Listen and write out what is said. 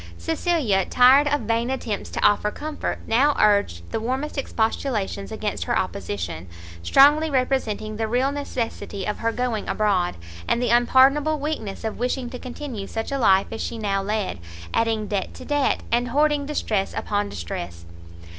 Cecilia, tired of vain attempts to offer comfort, now urged the warmest expostulations against her opposition, strongly representing the real necessity of her going abroad, and the unpardonable weakness of wishing to continue such a life as she now led, adding debt to debt, and hoarding distress upon distress.